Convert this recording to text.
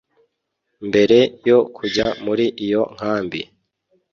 Mbere yo kujya muri iyo nkambi